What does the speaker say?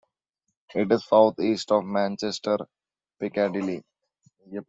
It is south east of Manchester Piccadilly.